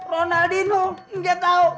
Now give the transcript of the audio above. ronaldinho gak tau